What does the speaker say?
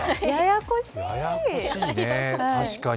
ややこしい。